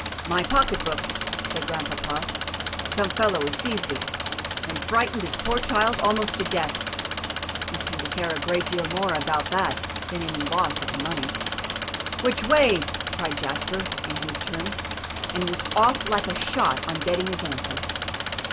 "My pocket book," said Grandpapa; "some fellow has seized it, and frightened this poor child almost to death." He seemed to care a great deal more about that than any loss of the money. "Which way?" cried Jasper, in his turn, and was off like a shot on getting his answer.